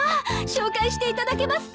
紹介していただけますか？